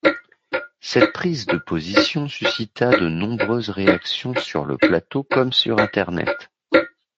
Cette prise de position suscitera de nombreuses réactions sur le plateau comme sur internet.